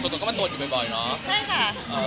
ส่วนตัวก็ประมาณตรวจหลายเนาะ